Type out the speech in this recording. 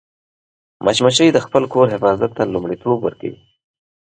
مچمچۍ د خپل کور حفاظت ته لومړیتوب ورکوي